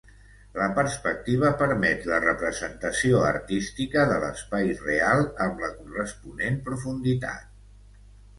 La perspectiva permet la representació artística de l'espai real amb la corresponent profunditat.